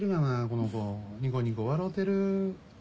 この子ニコニコ笑うてる。